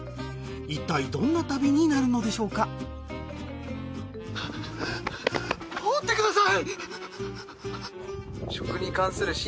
いったいどんな旅になるのでしょうか追ってください。